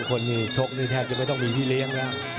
แค่ที่ไม่ต้องมีพี่เลี้ยง